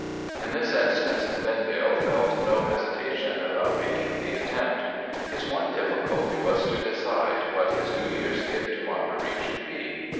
In this instance Vendale felt no hesitation about making the attempt. His one difficulty was to decide what his New Year's gift to Marguerite should be.